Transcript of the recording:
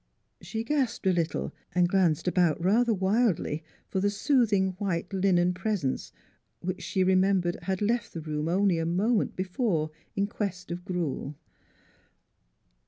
She gasped a little and glanced about rather wildly for the soothing white linen pres ence, which she remembered had left the room only a moment before in quest of gruel.